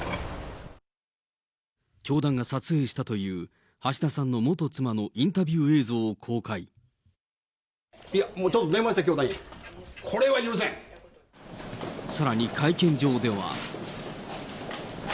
教団が撮影したという橋田さんの元妻のインタビュー映像を公いや、ちょっと電話して、すさらに会見場では。